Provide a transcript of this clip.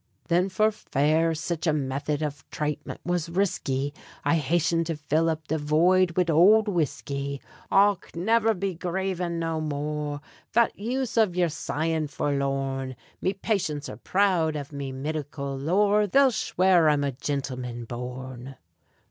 Thin for fare sich a method av thratement was risky, I hasthened to fill up the void wid ould whiskey. Och! niver be gravin' no more! Phat use av yer sighin' forlorn? Me patients are proud av me midical lore They'll shware I'm a gintleman born.